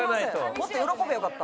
もっと喜びゃよかった。